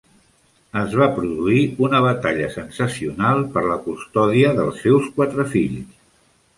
Es va produir una batalla sensacional per la custòdia dels seus quatre fills.